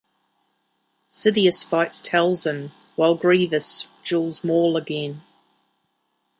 Sidious fights Talzin while Grievous duels Maul again.